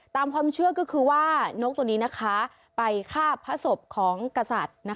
ตามความเชื่อก็คือว่านกตัวนี้ไปฆ่าพระศพของกษัตริย์